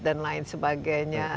dan lain sebagainya